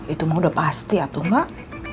itu mau udah pasti atau enggak